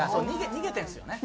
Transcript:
逃げてるんですよね。